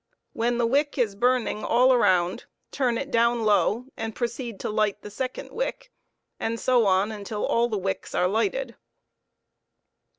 When the wick is burning all around, turn it down low and proceed to light the second wick, and so on until all the wicks are lighted.